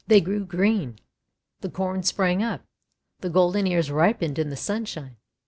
They grew green, the Corn sprang up, the golden ears ripened in the sunshine.